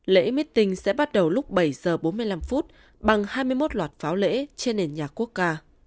lễ mít tình sẽ bắt đầu lúc bảy giờ bốn mươi năm phút bằng hai mươi một loạt pháo lễ trên nền nhà quốc ca